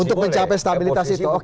untuk mencapai stabilitas itu